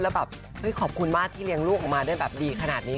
แล้วแบบขอบคุณมากที่เลี้ยงลูกออกมาได้แบบดีขนาดนี้